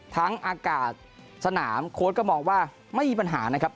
อากาศสนามโค้ดก็มองว่าไม่มีปัญหานะครับ